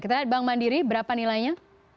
kita lihat bank mandiri berapa nilainya